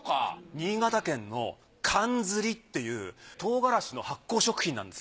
新潟県のかんずりっていう唐辛子の発酵食品なんです。